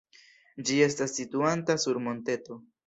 Ĝi estas situanta sur monteto.